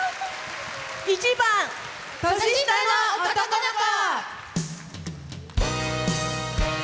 １番「年下の男の子」。